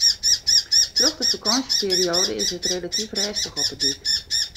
Troch de fakânsjeperioade is it relatyf rêstich op 'e dyk.